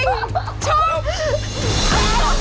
เปาเย็นชุดได้ทุกอย่าง